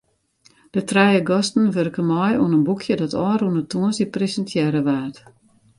De trije gasten wurken mei oan in boekje dat ôfrûne tongersdei presintearre waard.